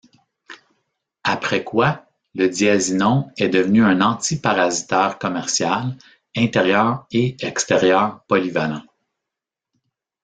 Après quoi, le diazinon est devenu un antiparasitaire commercial intérieur et extérieur polyvalent.